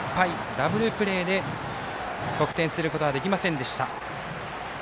ダブルプレーで得点することはできませんでした。